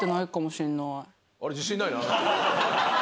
あれ自信ないな。